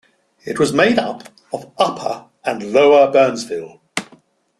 It was made up of Upper and Lower Byrnesville.